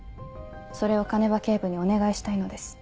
それを鐘場警部にお願いしたいのです。